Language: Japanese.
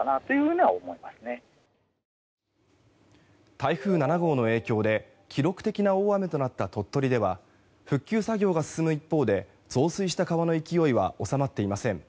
台風７号の影響で記録的な大雨となった鳥取では復旧作業が進む一方で増水した川の勢いは収まっていません。